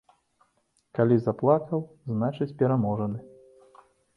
Калі заплакаў, значыць, пераможаны.